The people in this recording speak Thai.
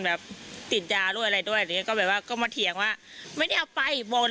แบบติดยารู้อะไรด้วยก็แบบว่าก็มาเถียงว่าไม่ได้เอาไปบอก